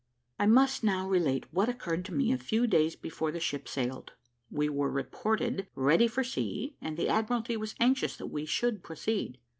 I must now relate what occurred to me a few days before the ship sailed. We were reported ready for sea, and the Admiralty was anxious that we should proceed.